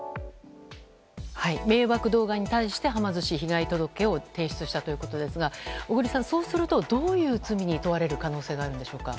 迷惑動画に対してはま寿司は被害届を提出したということですが小栗さん、そうするとどういう罪に問われる可能性があるんでしょうか？